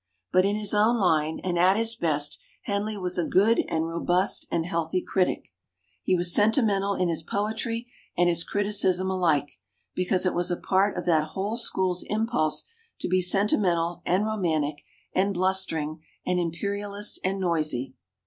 But in his own line, and at his best, Henley was a good and robust and healthy critic. He was sentimental in his poetry and his criticism alike, because it was a part of that whole school's impulse to be sentimental and romantic and blus tering and imperialist and noisy.